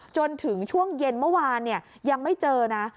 จนถึงช่วงเย็นเมื่อวานยังไม่เจอนะ